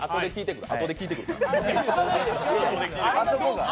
あとで効いてくるから。